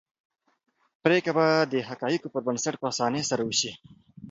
پرېکړه به د حقایقو پر بنسټ په اسانۍ سره وشي.